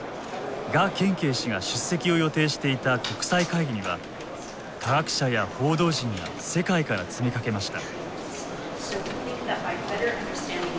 賀建奎氏が出席を予定していた国際会議には科学者や報道陣が世界から詰めかけました。